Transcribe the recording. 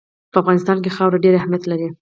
په افغانستان کې خاوره ډېر اهمیت لري.